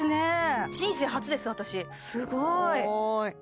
人生初です私すごい！